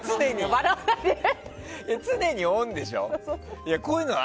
常にオンでしょ。